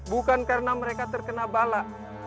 bukan karena mereka terkena bala